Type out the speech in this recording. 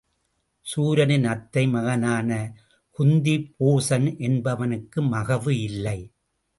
சூரனின் அத்தை மகனான குந்திபோசன் என்பவனுக்கு மகவு இல்லை.